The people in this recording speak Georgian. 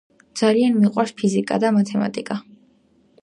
ძალიან მიყვარს ფიზიკა და მათემატიკა